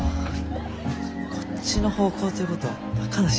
こっちの方向ということは高梨？